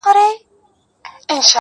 ميسج,